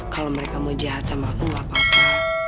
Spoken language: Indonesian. kalau mereka mau jahat sama aku gak apa apa